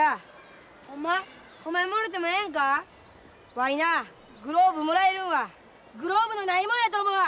わいなグローブもらえるんはグローブのないもんやと思うわ！